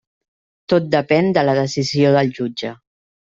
Tot depèn de la decisió del jutge.